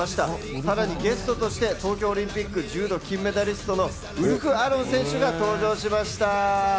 さらにゲストとして東京オリンピック・柔道金メダリストのウルフ・アロン選手が登場しました。